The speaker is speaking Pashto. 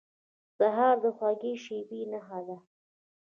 سهار د خوږې شېبې نښه ده.